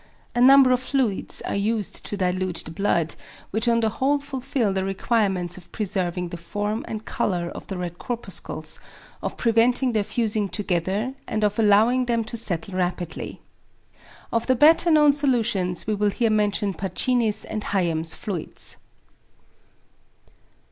A number of fluids are used to dilute the blood, which on the whole fulfil the requirements of preserving the form and colour of the red corpuscles, of preventing their fusing together, and of allowing them to settle rapidly. Of the better known solutions we will here mention =Pacini's= and =Hayem's= fluids.